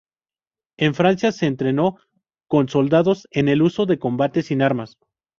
En Francia se entrenó con soldados en el uso de combate sin armas.